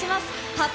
発表！